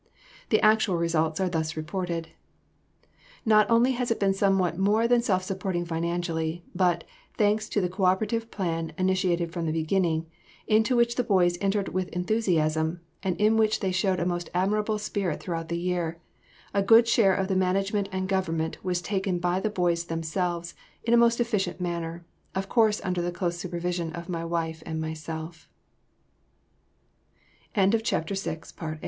The actual results are thus reported, "Not only has it been somewhat more than self supporting financially, but, thanks to the co operative plan initiated from the beginning, into which the boys entered with enthusiasm, and in which they showed a most admirable spirit throughout the year, a good share of the management and government was taken by the boys themselves in a most efficient man